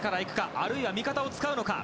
あるいは味方を使うのか。